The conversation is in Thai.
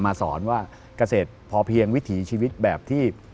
สอนว่าเกษตรพอเพียงวิถีชีวิตแบบที่